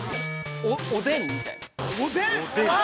おでんみたいな。